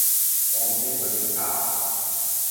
我唔知佢點教